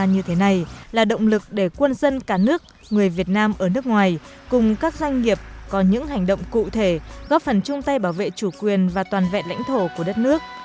như thế này là động lực để quân dân cả nước người việt nam ở nước ngoài cùng các doanh nghiệp có những hành động cụ thể góp phần chung tay bảo vệ chủ quyền và toàn vẹn lãnh thổ của đất nước